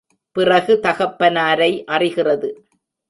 பிறகு தகப்பனாரை அறிகிறது.